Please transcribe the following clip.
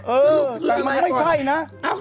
เออคือมันไม่ใช่นะ